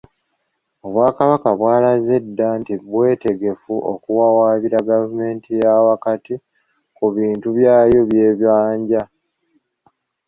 Obwakabaka bw'alaze dda nti bwetegefu okuwawaabira Gavumenti yaawakati ku bintu byayo by'ebbanja